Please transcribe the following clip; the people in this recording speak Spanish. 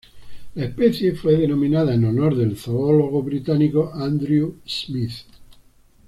La especie fue denominada en honor del zoólogo británico Andrew Smith.